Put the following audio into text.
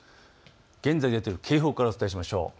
現在出ている警報からお伝えしましょう。